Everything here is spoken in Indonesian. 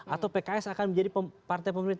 atau pks akan menjadi partai pemerintah